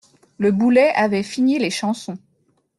Le boulet avait fini les chansons.